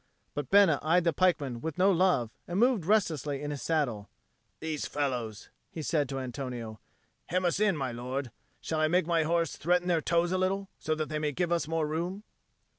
But Bena eyed the pikemen with no love, and moved restlessly in his saddle. "These fellows," said he to Antonio, "hem us in, my lord. Shall I make my horse threaten their toes a little, so that they may give us more room?"